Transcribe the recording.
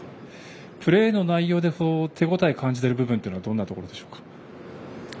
プレーの内容で手応えを感じている部分というのはどんなところでしょうか？